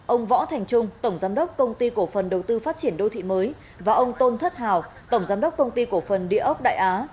ông võ thành trung tổng giám đốc công ty cổ phần đầu tư phát triển đô thị mới và ông tôn thất hào tổng giám đốc công ty cổ phần địa ốc đại á